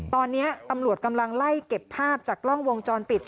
ตอนนี้ตำรวจกำลังไล่เก็บภาพจากกล้องวงจรปิด